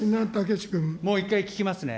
もう一回聞きますね。